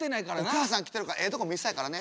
お母さん来てるからええとこ見せたいからね。